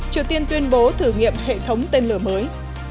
triều tiên tuyên bố thử nghiệm hệ thống tên lửa mới